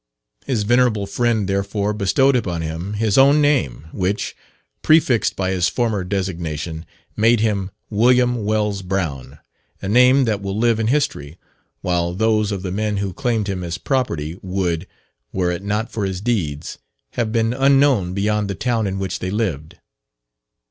His venerable friend, therefore, bestowed upon him his own name, which, prefixed by his former designation, made him "William Wells Brown," a name that will live in history, while those of the men who claimed him as property would, were it not for his deeds, have been unknown beyond the town in which they lived.